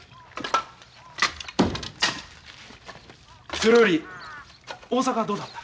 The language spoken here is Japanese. それより大阪はどうだった？